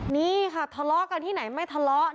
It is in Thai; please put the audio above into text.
นี่ค่ะทะเลาะกันที่ไหนไม่ทะเลาะ